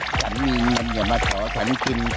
ฉันมีเงินบวชมาขอฉันกิน